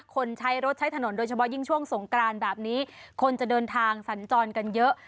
คนใช้รถใช้ถนนโดยเฉพาะยิ่งช่วงสงกรานแบบนี้คนจะเดินทางสัญจรกันเยอะ